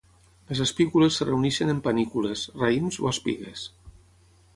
Les espícules es reuneixen en panícules, raïms o espigues.